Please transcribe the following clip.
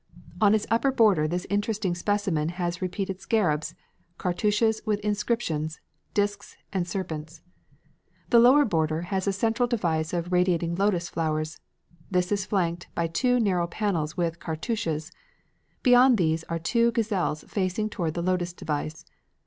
On its upper border this interesting specimen has repeated scarabs, cartouches with inscriptions, discs, and serpents. The lower border has a central device of radiating lotus flowers; this is flanked by two narrow panels with cartouches; beyond these are two gazelles facing toward the lotus device.